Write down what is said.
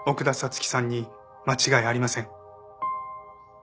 月さんに間違いありません。